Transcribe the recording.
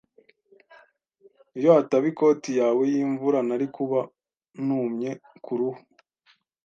Iyo hataba ikoti yawe yimvura, nari kuba numye kuruhu.